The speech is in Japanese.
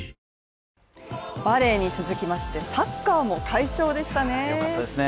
ＪＴバレーに続きましてサッカーも快勝でしたね。